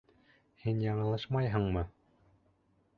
Һин яңылышмайһыңмы?